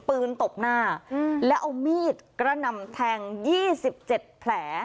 ปืนตบหน้าแล้วเอามีดกระนำแทงยี่สิบเจ็ดแผล